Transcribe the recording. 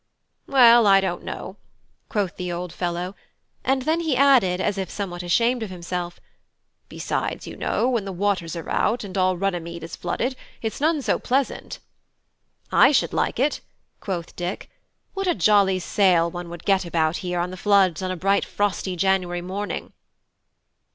"Well, I don't know," quoth the old fellow; then he added, as if somewhat ashamed of himself: "Besides, you know, when the waters are out and all Runnymede is flooded, it's none so pleasant." "I should like it," quoth Dick. "What a jolly sail one would get about here on the floods on a bright frosty January morning!"